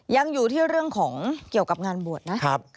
ยังอยู่ที่เรื่องของเกี่ยวกับงานบวชนะ